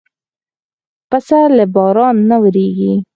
پسه له باران نه وېرېږي.